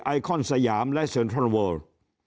ไอคอนสยามและเซิร์นทรัลเวิร์ด